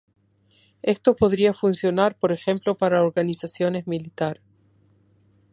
Esto podría funcionar por ejemplo para organizaciones militar.